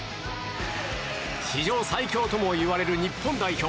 史上最強ともいわれる日本代表。